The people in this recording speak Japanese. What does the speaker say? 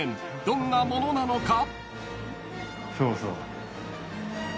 ［どんなものなのか］